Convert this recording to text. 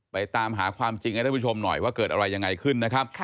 ตามหาความจริงให้ท่านผู้ชมหน่อยว่าเกิดอะไรยังไงขึ้นนะครับ